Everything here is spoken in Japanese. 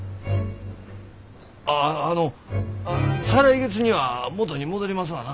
あああの再来月には元に戻りますわな？